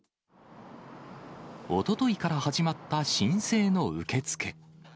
おとといから始まった申請の受け付け。